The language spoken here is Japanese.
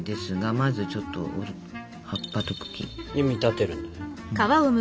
まずちょっと葉っぱと茎。に見立てるんだ。